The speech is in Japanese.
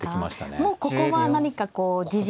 もうここは何かこう自陣に。